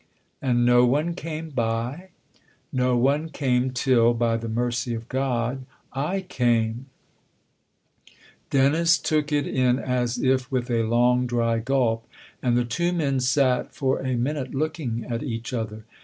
" And no one came by ?" "No one came till, by the mercy of God, / came !" Dennis took it in as if with a long, dry gulp, and the two men sat for a minute looking at each other.